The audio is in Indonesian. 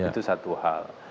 itu satu hal